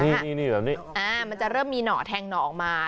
มันจะเริ่มมีหน่อแทงหน่อออกมา